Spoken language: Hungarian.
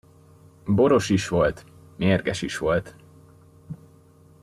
Boros is volt, mérges is volt.